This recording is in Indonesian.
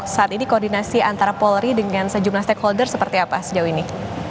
stakeholder seperti apa sejauh ini